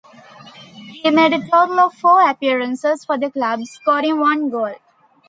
He made a total of four appearances for the club, scoring one goal.